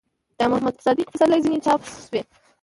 ،د محمد صديق پسرلي ځينې چاپ شوي